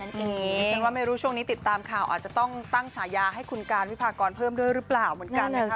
ฉันว่าไม่รู้ช่วงนี้ติดตามข่าวอาจจะต้องตั้งฉายาให้คุณการวิพากรเพิ่มด้วยหรือเปล่าเหมือนกันนะคะ